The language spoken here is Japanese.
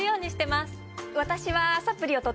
私は。